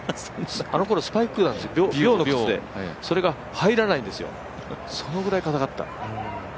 あのころスパイクなんですよ、びょうの靴で。それが入らないんですよ、そのぐらいかたかった。